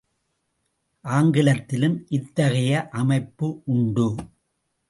ஆங்கிலத்திலும் இத்தகைய அமைப்பு உண்டு.